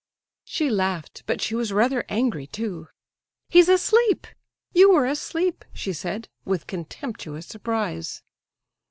She laughed, but she was rather angry too. "He's asleep! You were asleep," she said, with contemptuous surprise.